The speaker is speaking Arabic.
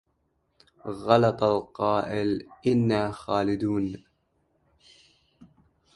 غلط القائل إنا خالدون